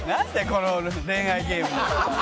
この恋愛ゲーム！